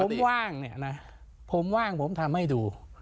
ผมว่างเนี่ยนะผมว่างผมทำให้ดู